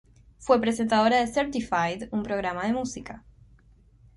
Fue presentadora de "Certified", un programa de música.